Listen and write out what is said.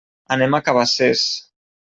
Anem a Cabacés.